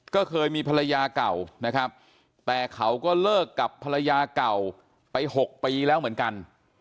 ก็เคยมีภรรยาเก่านะครับแต่เขาก็เลิกกับภรรยาเก่าไป๖ปีแล้วเหมือนกัน